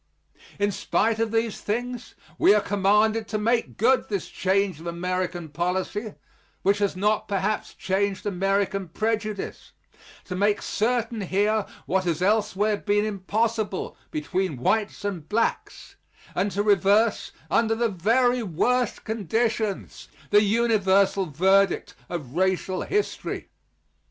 In spite of these things we are commanded to make good this change of American policy which has not perhaps changed American prejudice to make certain here what has elsewhere been impossible between whites and blacks and to reverse, under the very worst conditions, the universal verdict of racial history.